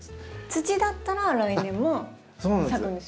土だったら来年もそうなんですよ。